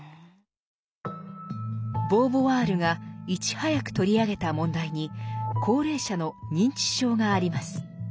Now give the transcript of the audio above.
ボーヴォワールがいち早く取り上げた問題に高齢者の認知症があります。